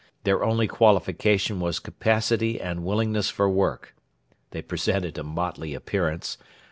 Their only qualification was capacity and willingness for work. They presented a motley appearance.